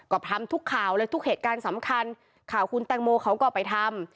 ก็ทำทุกข่าวเลยทุกเหตุการณ์สำคัญข่าวคุณแตงโมเขาก็ไปทำ